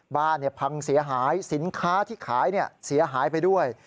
บ้านพังเสียหายสินค้าที่ขายเสียหายไปด้วย